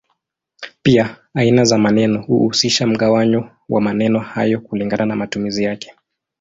Pia aina za maneno huhusisha mgawanyo wa maneno hayo kulingana na matumizi yake.